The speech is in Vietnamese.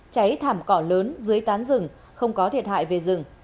cháy thảm cỏ lớn dưới tán rừng không có thiệt hại về rừng